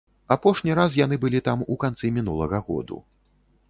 Апошні раз яны былі там у канцы мінулага году.